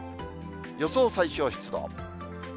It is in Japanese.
予想最小湿度。